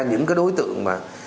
những cái đối tượng